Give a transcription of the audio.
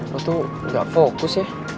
aku tuh gak fokus ya